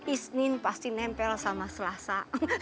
isnin pasti nempel sama selasa